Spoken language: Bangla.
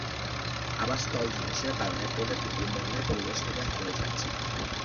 আবাসস্থল ধ্বংসের কারণে প্রজাতিটি বনের পরিবেশ থেকে হারিয়ে যাচ্ছে।